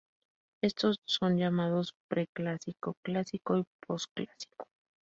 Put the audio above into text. Estos son llamados Preclásico, Clásico y Posclásico.